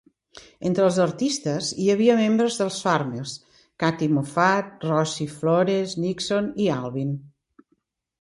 Entre els artistes hi havia membres dels Farmers, Katy Moffatt, Rosie Flores, Nixon i Alvin.